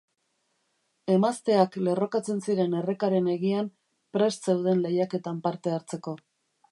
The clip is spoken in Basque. Emazteak lerrokatzen ziren errekaren hegian, prest zeuden leihaketan parte hartzeko.